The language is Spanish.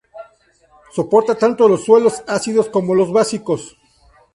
Soporta tanto los suelos ácidos como los básicos.